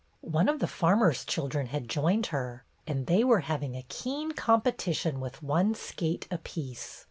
One of the farmer's children had joined her, and they were having a keen competition with one skate apiece.